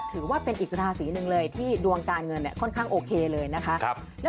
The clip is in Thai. ถือว่าเป็นอีกราศีหนึ่งเลยที่ดวงการเงินค่อนข้างโอเคเลยนะคะ